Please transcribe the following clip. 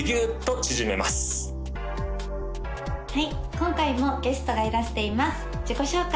今回もゲストがいらしています自己紹介